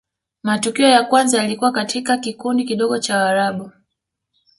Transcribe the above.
matukio ya kwanza yalikuwa katika kikundi kidogo cha warabu